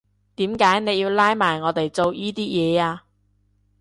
點解你要拉埋我哋做依啲嘢呀？